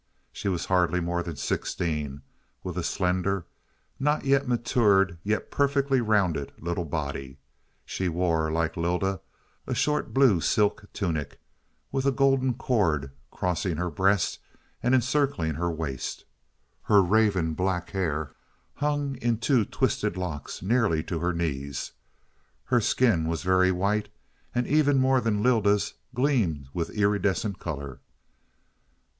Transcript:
She was hardly more than sixteen, with a slender, not yet matured, yet perfectly rounded little body. She wore, like Lylda, a short blue silk tunic, with a golden cord crossing her breast and encircling her waist. Her raven black hair hung in two twisted locks nearly to her knees. Her skin was very white and, even more than Lylda's, gleamed with iridescent color.